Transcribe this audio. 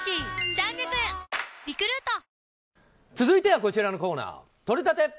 続いてはこちらのコーナーとれたて！